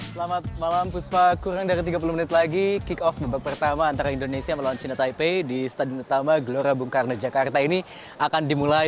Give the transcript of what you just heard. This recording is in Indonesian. selamat malam puspa kurang dari tiga puluh menit lagi kick off babak pertama antara indonesia melawan china taipei di stadion utama gelora bung karno jakarta ini akan dimulai